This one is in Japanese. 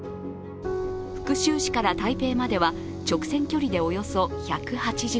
福州市から台北までは直線距離でおよそ１８０ｋｍ。